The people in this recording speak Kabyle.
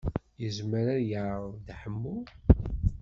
Yezmer ad yeɛreḍ Dda Ḥemmu?